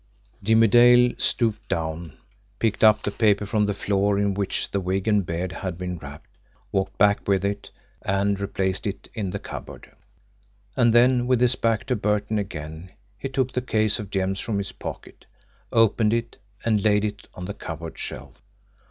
Jimmie Dale stooped down, picked up the paper from the floor in which the wig and beard had been wrapped, walked back with it, and replaced it in the cupboard. And then, with his back to Burton again, he took the case of gems from his pocket, opened it, and laid it on the cupboard shelf.